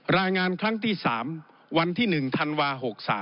รายงานครั้งที่๓วันที่๑ธันวา๖๓